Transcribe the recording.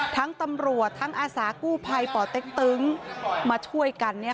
ทั้งตำรวจทั้งอาสากู้ภัยปเต๊งมาช่วยกัน